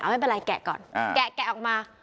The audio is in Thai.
ไม่เป็นไรแกะก่อนแกะออกมา